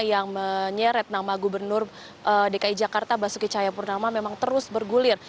yang menyeret nama gubernur dki jakarta basuki cahayapurnama memang terus bergulir